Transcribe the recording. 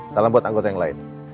salam buat anggota yang lain